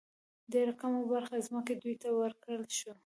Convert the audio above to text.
ډېره کمه برخه ځمکې دوی ته ورکړل شوې.